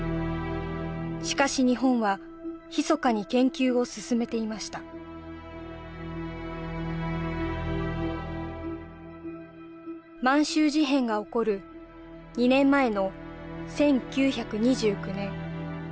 しかし日本はひそかに研究を進めていました満州事変が起こる２年前の１９２９年